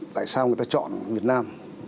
tại sao người ta chọn việt nam